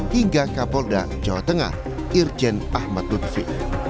hingga kapolda jawa tengah irjen ahmad lutfi